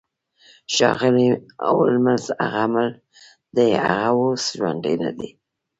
ښاغلی هولمز هغه مړ دی هغه اوس ژوندی ندی